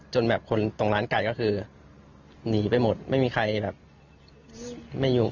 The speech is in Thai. จนแบบคนตรงร้านไก่ก็คือหนีไปหมดไม่มีใครแบบไม่ยุ่ง